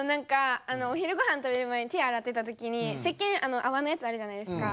お昼ごはん食べる前に手あらってたときにせっけんあわのやつあるじゃないですか？